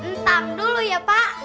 ntar dulu ya pak